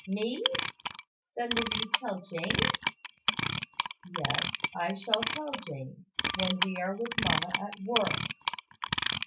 "Me! Then will you tell Jane?" "Yes. I shall tell Jane, when we are with mamma at work."